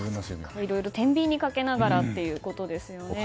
いろいろ天秤にかけながらということですね。